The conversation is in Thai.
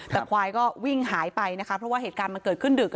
แต่ควายก็วิ่งหายไปนะคะเพราะว่าเหตุการณ์มันเกิดขึ้นดึก